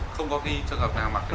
không có ghi trường hợp nào mặc cái áo